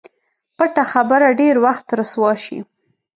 پټه خبره ډېر وخت رسوا شي.